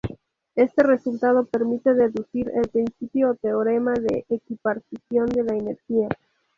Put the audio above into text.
Este resultado permite deducir el principio o teorema de equipartición de la energía.